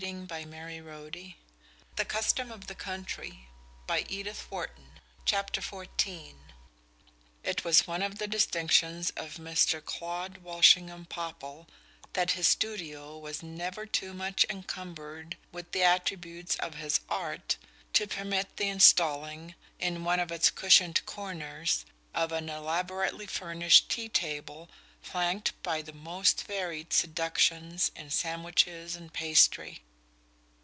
I loathe the very sight of it!" she sobbed with her face in her hands. XIV It was one of the distinctions of Mr. Claud Walsingham Popple that his studio was never too much encumbered with the attributes of his art to permit the installing, in one of its cushioned corners, of an elaborately furnished tea table flanked by the most varied seductions in sandwiches and pastry.